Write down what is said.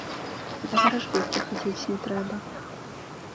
Да варажбіткі хадзіць не трэба.